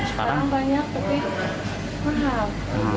sekarang banyak tapi mahal